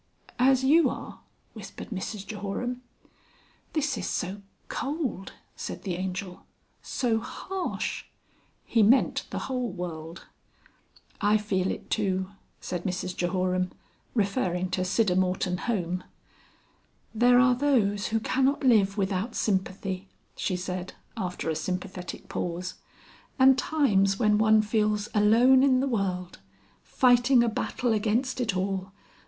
"As you are?" whispered Mrs Jehoram. "This is so cold," said the Angel. "So harsh!" He meant the whole world. "I feel it too," said Mrs Jehoram, referring to Siddermorton Home. "There are those who cannot live without sympathy," she said after a sympathetic pause. "And times when one feels alone in the world. Fighting a battle against it all.